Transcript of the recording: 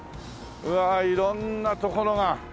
うわあ色んな所が。